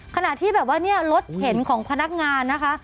ขณะที่แบบว่าเนี่ยรถเข็นของพนักงานนะคะ